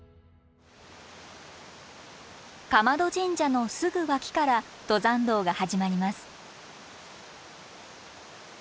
竈門神社のすぐ脇から登山道が始まります。